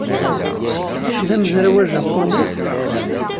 Kečč d amezraw ajapuni?